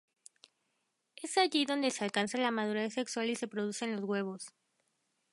Es allí donde se alcanza la madurez sexual y se producen los huevos.